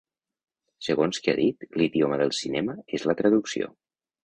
Segons que ha dit, l’idioma del cinema és la traducció.